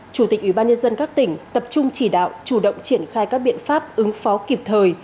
chủ tịch ủy ban nhân dân các tỉnh tập trung chỉ đạo chủ động triển khai các biện pháp ứng phó kịp thời